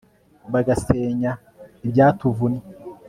bagasenya ibyatuvunnye